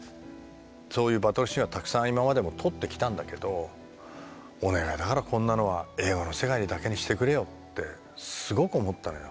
そういうバトルシーンはたくさん今までも撮ってきたんだけど「お願いだからこんなのは映画の世界だけにしてくれよ」ってすごく思ったのよ。